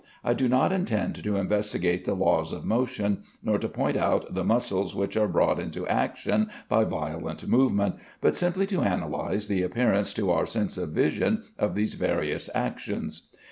I do not intend to investigate the laws of motion, nor to point out the muscles which are brought into action by violent movement, but simply to analyze the appearance to our sense of vision of these various actions.